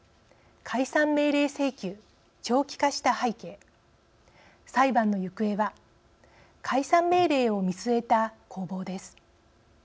解散命令請求長期化した背景裁判の行方は解散命令を見据えた攻防です。